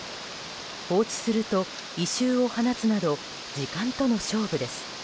放置すると異臭を放つなど時間との勝負です。